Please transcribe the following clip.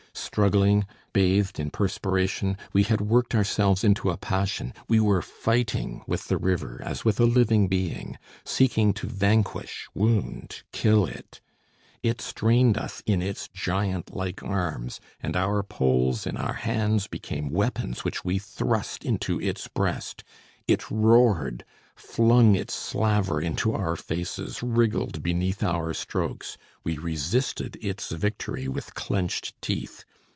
Struggling, bathed in perspiration, we had worked ourselves into a passion; we were fighting with the river as with a living being, seeking to vanquish, wound, kill it. It strained us in its giant like arms, and our poles in our hands became weapons which we thrust into its breast. It roared, flung its slaver into our faces, wriggled beneath our strokes. We resisted its victory with clenched teeth.